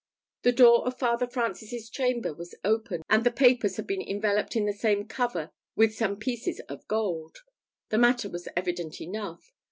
The door of Father Francis's chamber was open, and the papers had been enveloped in the same cover with some pieces of gold. The matter was evident enough.